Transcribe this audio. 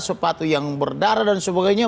sepatu yang berdarah dan sebagainya